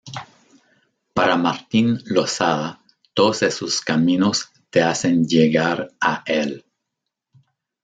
Para Martín Losada, todos esos caminos te hacen llegar a Él.